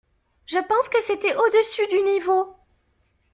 Je pense que c'était au-dessus du niveau.